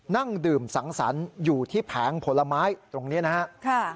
นั่งดื่มสังสรรค์อยู่ที่แผงผลไม้ตรงนี้นะครับ